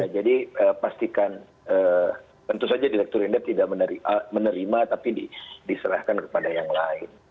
jadi pastikan tentu saja direktur indef tidak menerima tapi diserahkan kepada yang lain